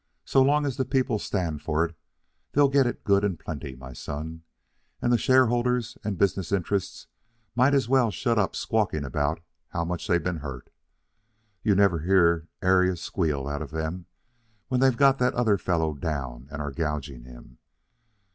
So long as the people stand for it, they'll get it good and plenty, my son. And the shareholders and business interests might as well shut up squawking about how much they've been hurt. You never hear ary squeal out of them when they've got the other fellow down and are gouging him.